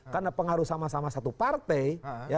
karena pengaruh sama sama satu partai